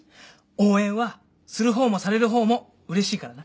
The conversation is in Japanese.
応援はする方もされる方もうれしいからな。